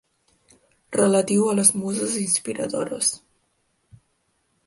Relatiu a les muses inspiradores.